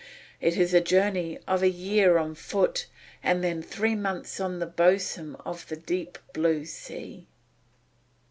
"It is a journey of a year on foot and then three months on the bosom of the deep blue sea."